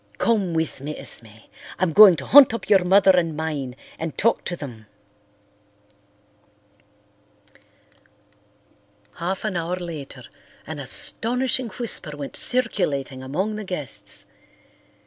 Come with me, Esme. I'm going to hunt up your mother and mine and talk to them." Half an hour later an astonishing whisper went circulating among the guests.